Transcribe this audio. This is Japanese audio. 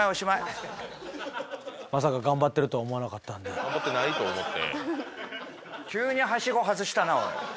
何？頑張ってないと思って。